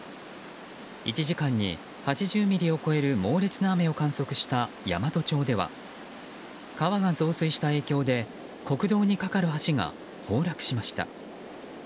１時間に８０ミリを超える猛烈な雨を観測した山都町では川が増水した影響で国道に架かる橋が崩落しました。